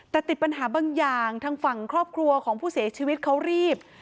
แต่ติดปัญหาบางอย่างทางฝั่งครอบครัวของผู้เสียชีวิตเขารีบ